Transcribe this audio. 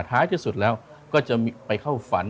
ท้ายที่สุดแล้วก็จะไปเข้าฝัน